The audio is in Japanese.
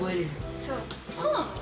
そうなの？